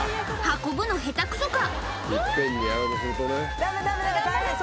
運ぶのヘタくそか⁉